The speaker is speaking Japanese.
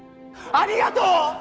ありがとう！